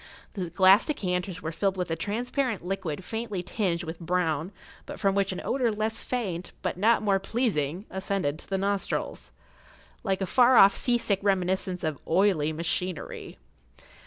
The glass decanters were filled with a transparent liquid faintly tinged with brown, but from which an odor less faint, but not more pleasing, ascended to the nostrils, like a far off sea sick reminiscence of oily machinery.